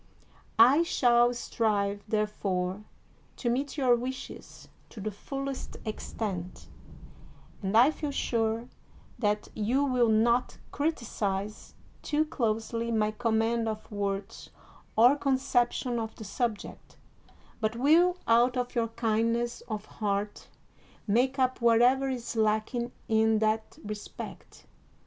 I shall strive therefore to meet your wishes to the fullest ex tent, and I feel sure that you will not criticize 201 THE WORLD'S FAMOUS ORATIONS too closely my command of words or conception of the subject, but will, out of your kindness of heart, make up whatever is lacking in that re spect.